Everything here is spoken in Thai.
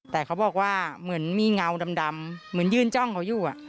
แต่เขาบอกว่าเหมือนมีเงาดำเหมือนยืนจ้องเขาอยู่